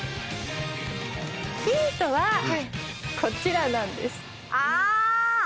ヒントはこちらなんですあ！